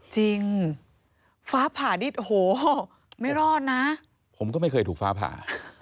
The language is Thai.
จริงฟ้าผ่าดิโหไม่รอดน่ะผมก็ไม่เคยถูกฟ้าผ่า